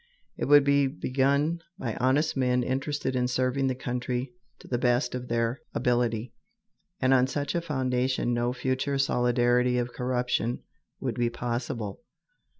It would be begun by honest men interested in serving the country to the best of their ability, and on such a foundation no future solidarity of corruption would be possible.